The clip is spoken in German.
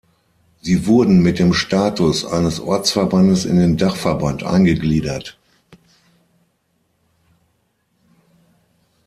Sie wurden mit dem Status eines Ortsverbandes in den Dachverband eingegliedert.